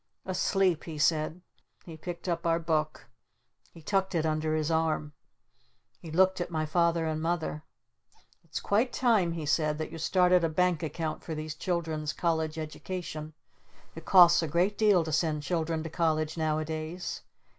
"Asleep," he said. He picked up our Book. He tucked it under his arm. He looked at my Father and Mother. "It's quite time," he said, "that you started a Bank Account for these children's college education. It costs a great deal to send children to college nowadays.